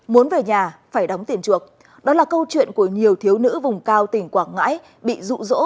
muốn về nhà phải đóng tiền chuộc đó là câu chuyện của nhiều thiếu nữ vùng cao tỉnh quảng ngãi bị rụ rỗ